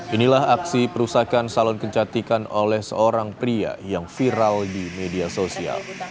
inilah aksi perusakan salon kecantikan oleh seorang pria yang viral di media sosial